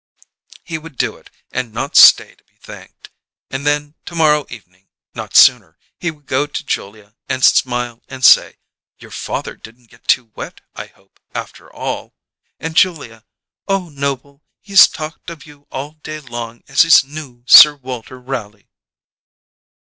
He would do it and not stay to be thanked. And then, to morrow evening, not sooner, he would go to Julia and smile and say; "Your father didn't get too wet, I hope, after all?" And Julia: "Oh, Noble, he's talked of you all day long as his 'new Sir Walter Raleigh'!"